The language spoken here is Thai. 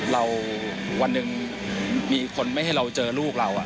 วันหนึ่งมีคนไม่ให้เราเจอลูกเรา